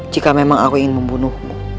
jika memang aku ingin membunuhmu